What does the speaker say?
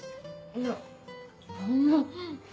いやそんな。